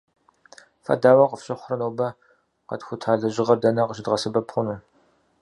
Фэ дауэ къыфщыхъурэ, нобэ къэтхута лэжьыгъэр дэнэ къыщыбгъэсэбэп хъуну?